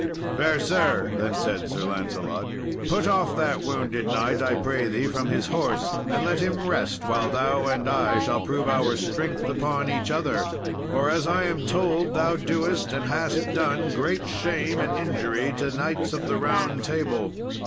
"Fair sir," then said Sir Lancelot, "put off that wounded knight, I pray thee, from his horse, and let him rest while thou and I shall prove our strength upon each other; for, as I am told, thou doest, and hast done, great shame and injury to knights of the Round Table.